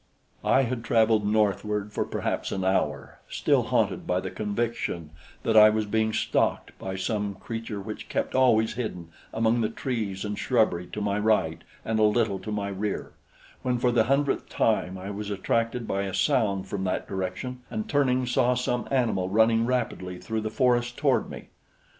I had traveled northward for perhaps an hour, still haunted by the conviction that I was being stalked by some creature which kept always hidden among the trees and shrubbery to my right and a little to my rear, when for the hundredth time I was attracted by a sound from that direction, and turning, saw some animal running rapidly through the forest toward me.